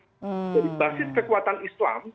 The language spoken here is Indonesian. jadi basis kekuatan islam